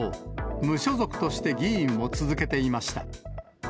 無所属として議員を続けていました。